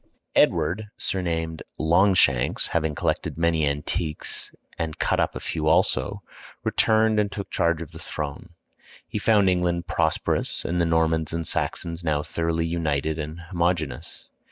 Edward, surnamed "Longshanks," having collected many antiques, and cut up a few also, returned and took charge of the throne. He found England prosperous and the Normans and Saxons now thoroughly united and homogeneous.